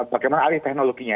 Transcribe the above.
bagaimana alih teknologinya